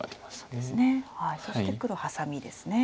そして黒ハサミですね。